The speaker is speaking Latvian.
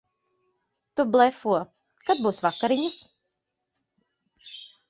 Tu blefo. Kad būs vakariņas?